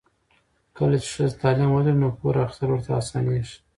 کله چې ښځه تعلیم ولري، نو پور اخیستل ورته اسانېږي.